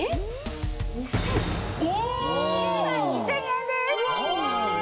９万２０００円です。